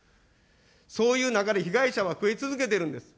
そういう中で、被害者は増え続けているんです。